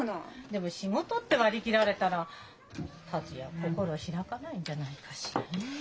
でも仕事って割り切られたら達也心を開かないんじゃないかしらねえ。